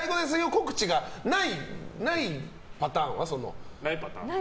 告知がないパターンは？